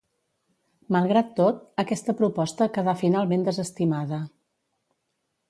Malgrat tot, aquesta proposta quedà finalment desestimada.